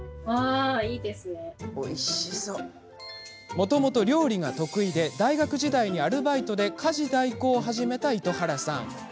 もともと料理が得意で大学時代にアルバイトで家事代行を始めた糸原さん。